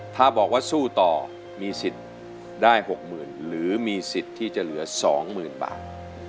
ถ้าบอกว่าสู้ต่อมีสิทธิ์ได้๖๐๐๐หรือมีสิทธิ์ที่จะเหลือ๒๐๐๐บาท